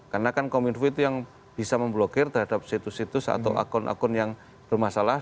karena kan kominfo itu yang bisa memblokir terhadap situs situs atau akun akun yang bermasalah